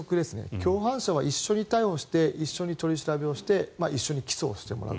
共犯者は一緒に逮捕して一緒に取り調べをして一緒に起訴をしてもらう。